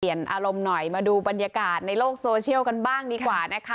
อารมณ์หน่อยมาดูบรรยากาศในโลกโซเชียลกันบ้างดีกว่านะคะ